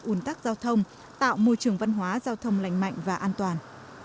ủn tắc giao thông tạo môi trường văn hóa giao thông lành mạnh và an toàn